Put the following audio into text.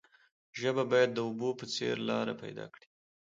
ژبه باید د اوبو په څیر لاره پیدا کړي.